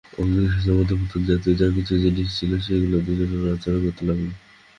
ওর গৃহসজ্জার মধ্যে পুতুল-জাতীয় যা-কিছু জিনিস ছিল সেইগুলো দুজনে নাড়াচাড়া করতে লাগল।